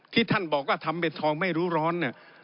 ที่ท่านบอกว่าทำเป็นทองไม่รู้ร้อนเนี่ย